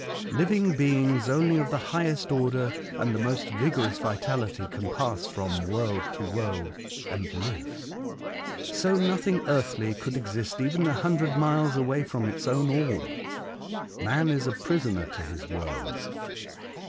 Living beings only of the highest order and the most vigorous vitality can pass from world to world and live. So nothing earthly could exist even a hundred miles away from its own orb — man is a prisoner to his world.